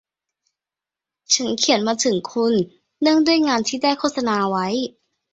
ฉันเขียนมาถึงคุณเนื่องด้วยงานที่ได้โฆษณาไว้